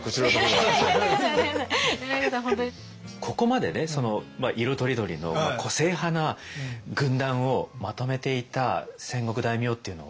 ここまでね色とりどりの個性派な軍団をまとめていた戦国大名っていうのは。